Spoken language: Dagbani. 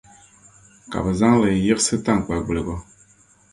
Ka bɛ zaŋ li n-yiɣisi taŋkpagbiligu.